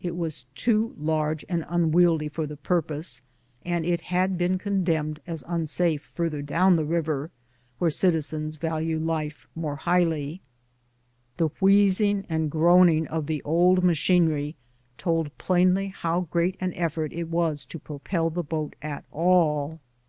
It was too large and unwieldy for the purpose, and it had been condemned as unsafe farther down the river, where citizens value life more highly. The wheezing and groaning of the old ma chinery told plainly how great an effort it was to propel TUE SUMMER OP THE BLACK HILLS EXPEDITION. 187 tlie boat at all.